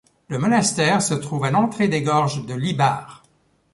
Le monastère se trouve à l’entrée des gorges de l’Ibar.